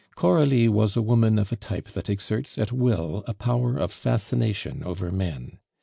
Coralie was a woman of a type that exerts at will a power of fascination over men.